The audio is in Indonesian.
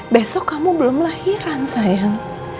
besok kamu belum lahiran sayang